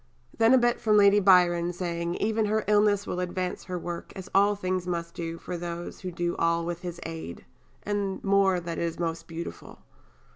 Then a bit from Lady Byron, saying, "even her illness will advance her work as all things must for those who do all with His aid," and more that is most beautiful.